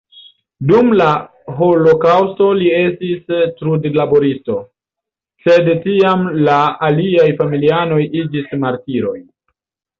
Dum la holokaŭsto li estis trudlaboristo, sed tiam la aliaj familianoj iĝis martiroj.